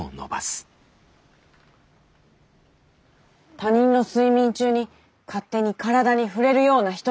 他人の睡眠中に勝手に体に触れるような人だったとは。